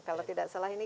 kalau tidak salah ini